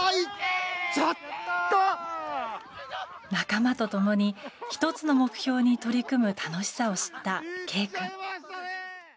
仲間と共に１つの目標に取り組む楽しさを知ったＫ君。